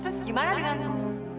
terus gimana dengan aku